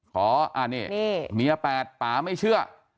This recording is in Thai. เขาใจเมียแปรดป๋าไม่เชื่อ